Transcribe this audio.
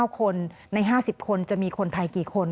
๙คนใน๕๐คนจะมีคนไทยกี่คน